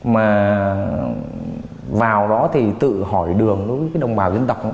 mà vào đó thì tự hỏi đường đối với cái đồng bào dân tộc